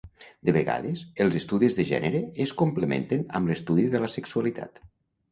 De vegades, els estudis de gènere es complementen amb l'estudi de la sexualitat.